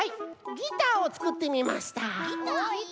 ギターをつくってみました。